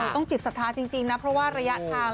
จิตศรัทธาจริงนะเพราะว่าระยะทาง